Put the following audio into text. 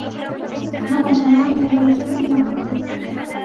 مضى شهران منذ وصولي إلى طوكيو.